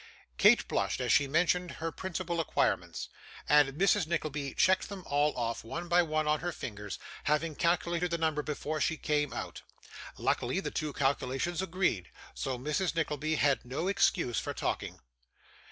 Kate blushed as she mentioned her principal acquirements, and Mrs Nickleby checked them all off, one by one, on her fingers; having calculated the number before she came out. Luckily the two calculations agreed, so Mrs. Nickleby had no excuse for talking.